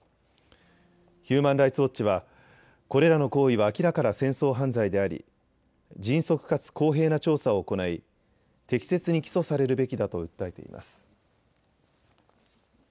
ヒューマン・ライツ・ウォッチはこれらの行為は明らかな戦争犯罪であり迅速かつ公平な調査を行い適切に起訴されるべきだと訴えています。